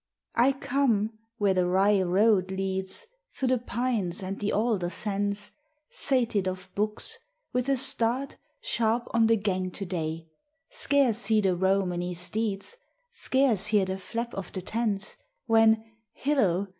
I COME where the wry road leads Thro' the pines and the alder scents, Sated of books, with a start, Sharp on the gang to day: Scarce see the Romany steeds, Scarce hear the flap of the tents, When hillo!